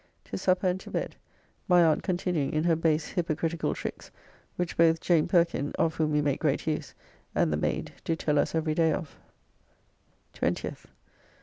To supper and to bed. My aunt continuing in her base, hypocritical tricks, which both Jane Perkin (of whom we make great use), and the maid do tell us every day of. 20th.